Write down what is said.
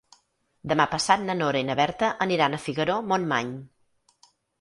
Demà passat na Nora i na Berta aniran a Figaró-Montmany.